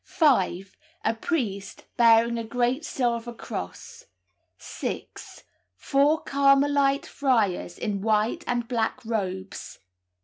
5. A priest, bearing a great silver cross. 6. Four Carmelite friars, in white and black robes.